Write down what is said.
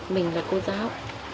mình là cô giáo